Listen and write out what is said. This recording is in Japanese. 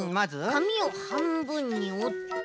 かみをはんぶんにおって。